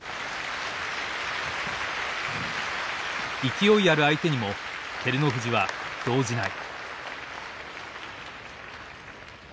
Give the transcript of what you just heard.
勢いある相手にも照ノ富士は動じない。